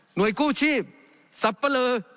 หน่วยกู้ชีพสับปะเลอ